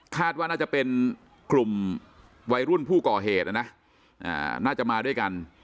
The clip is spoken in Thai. ว่าน่าจะเป็นกลุ่มวัยรุ่นผู้ก่อเหตุนะนะน่าจะมาด้วยกัน